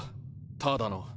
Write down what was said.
ただの。